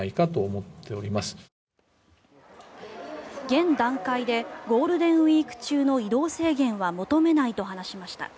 現段階でゴールデンウィーク中の移動制限は求めないと話しました。